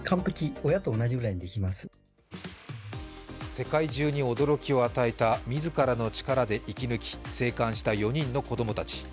世界中に驚きを与えた自らの力で息抜き生還した４人の子供たち。